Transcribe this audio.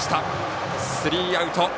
スリーアウト。